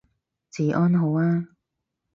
治安好啊